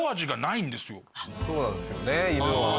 そうなんですよね犬は。